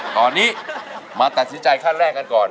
ตอนนี้มาตัดสินใจขั้นแรกกันก่อน